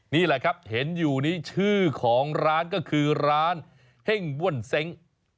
นี่แหละครับเห็นอยู่นี้ชื่อของร้านก็คือร้านเฮ่งบ้วนเซ้ง